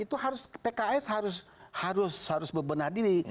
itu harus pks harus harus harus berbenah diri